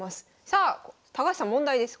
さあ高橋さん問題です。